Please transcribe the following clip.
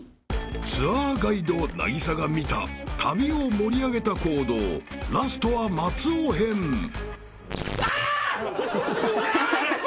［ツアーガイド凪咲が見た旅を盛り上げた行動ラストは松尾編］あっ！